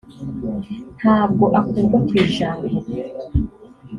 ntabwo akurwa ku ijambo